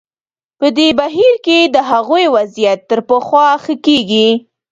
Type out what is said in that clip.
په دې بهیر کې د هغوی وضعیت تر پخوا ښه کېږي.